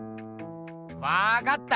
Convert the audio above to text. わかった！